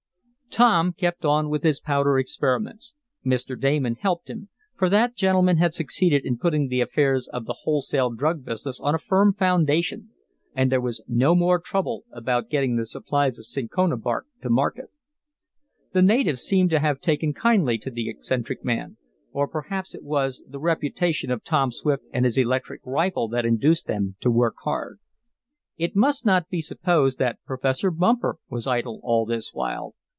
Tom kept on with his powder experiments. Mr. Damon helped him, for that gentleman had succeeded in putting the affairs of the wholesale drug business on a firm foundation, and there was no more trouble about getting the supplies of cinchona bark to market. The natives seemed to have taken kindly to the eccentric man, or perhaps it was the reputation of Tom Swift and his electric rifle that induced them to work hard. It must not be supposed that Professor Bumper was idle all this while.